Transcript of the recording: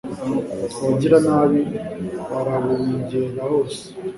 abagiranabi barabungera hose